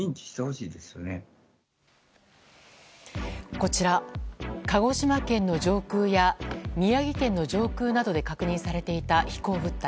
こちら鹿児島県の上空や宮城県の上空などで確認されていた飛行物体。